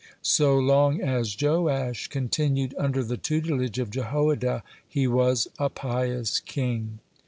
So long as Joash continued under the tutelage of Jehoiada, he was a pious king.